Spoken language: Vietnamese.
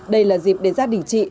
đây là dịp để gia đình chị